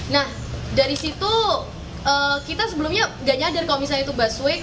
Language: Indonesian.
nah dari situ kita sebelumnya gak nyadar kalau misalnya itu busway